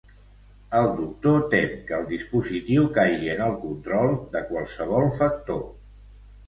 El Doctor tem que el dispositiu caigui en el control de qualsevol factor.